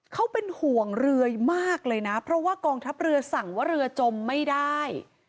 เขาเป็นห่วงเรือมากเลยนะเพราะว่ากองทัพเรือสั่งว่าเรือจมไม่ได้